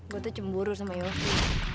gue tuh cemburu sama yosi